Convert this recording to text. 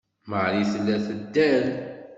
Marie tella teddal.